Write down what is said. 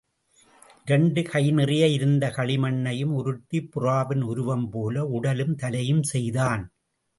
இரண்டு கைநிறைய இருந்த களி மண்ணையும் உருட்டிப் புறாவின் உருவம்போல, உடலும் தலையும் செய்தான்.